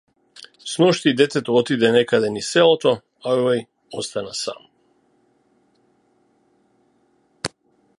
Сношти детето отиде некаде низ селото, а овој остана сам.